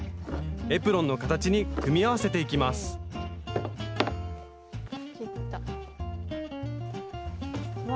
エプロンの形に組み合わせていきますわ